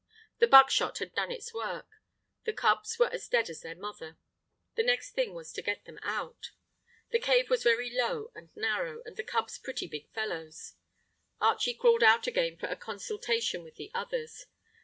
The buckshot had done its work. The cubs were as dead as their mother. The next thing was to get them out. The cave was very low and narrow, and the cubs pretty big fellows. Archie crawled out again for a consultation with the others.